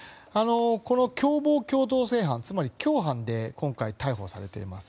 共謀共同正犯ということで今回、逮捕されています。